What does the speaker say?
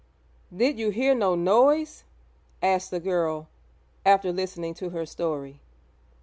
'Did you hear no noise?' asked the girl, after listening to her story.